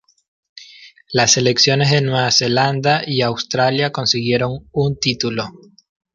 Las selecciones de Nueva Zelanda y Australia consiguieron un titulo.